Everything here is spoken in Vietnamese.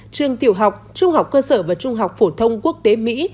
trường tiểu học trung học cơ sở và trung học phổ thông quốc tế mỹ